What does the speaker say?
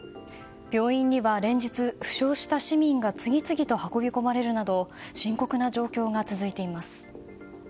病院には連日、負傷した市民が次々と運び込まれるなど深刻な状況が続いています。